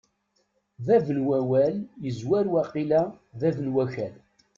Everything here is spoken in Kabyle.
Bab n wawal yezwar waqila bab n wakal.